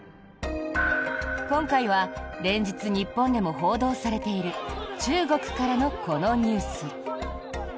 今回は連日、日本でも報道されている中国からのこのニュース。